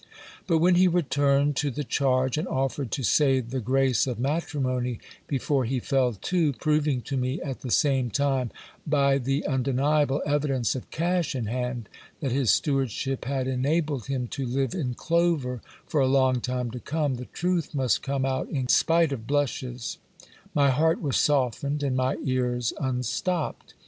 But when he returned to the charge, and offered to say the grace of matrimony before he fell to, proving to me at the same time, by the undeniable evidence of cash in hand, that his stewardship had enabled him to live in clover for a long time to come, the truth must come out in spite of blushes ; my heart was softened, and my ears unstopped.